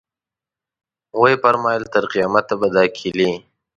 ویې فرمایل تر قیامته به دا کیلي.